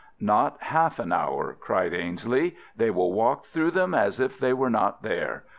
"Not half an hour," cried Ainslie. "They will walk through them as if they were not there.